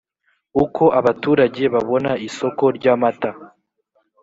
uko abaturage babona isoko ry’amata